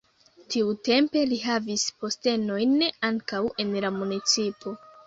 Tiutempe li havis postenojn ankaŭ en la municipo.